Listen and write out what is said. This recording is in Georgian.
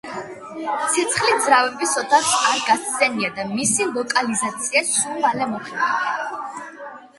ცეცხლი ძრავების ოთახს არ გასცდენია და მისი ლოკალიზაცია სულ მალე მოხერხდა.